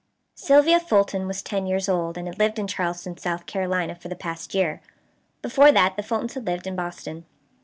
Sylvia Fulton was ten years old, and had lived in Charleston, South Carolina, for the past year. Before that the Fultons had lived in Boston.